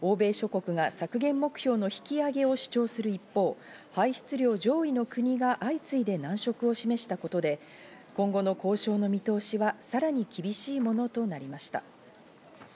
欧米諸国が削減目標の引き上げを主張する一方を排出量上位の国が相次いで難色を示したことで今後の交渉の見通しはさらに厳しいものとなりました。